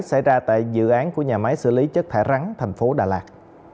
xảy ra tại dự án của nhà máy xử lý chất thải rắn tp đà lạt